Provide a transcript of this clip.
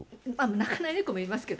鳴かない猫もいますけど。